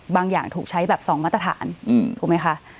บางอย่างถูกใช้แบบ๒มาตรฐานถูกไหมคะ